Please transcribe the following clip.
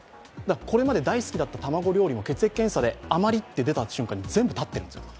これまで大好きだった卵料理も血液検査であまりって出た瞬間に全部絶ってるんですよ。